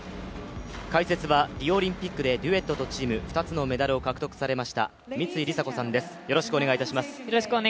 解説は、リオオリンピックでデュエットとチーム２つのメダルを獲得されました三井梨紗子さんです。